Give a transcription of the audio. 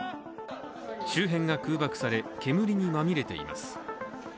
周辺が空爆され、煙にまみれています。